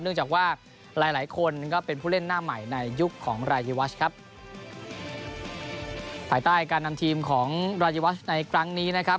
จากว่าหลายหลายคนก็เป็นผู้เล่นหน้าใหม่ในยุคของรายิวัชครับภายใต้การนำทีมของรายวัชในครั้งนี้นะครับ